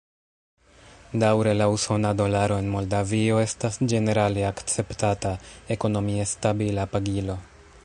Daŭre la usona dolaro en Moldavio estas ĝenerale akceptata, ekonomie stabila pagilo.